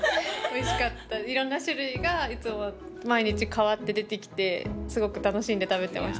いろんな種類がいつも毎日変わって出てきてすごく楽しんで食べていました。